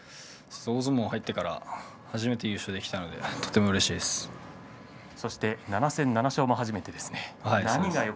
大相撲入ってから初めて優勝できたので７戦７勝も初めてですね。